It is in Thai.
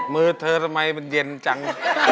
มือเธอทำไมมันเย็นจัง